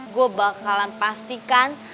gua bakalan pastikan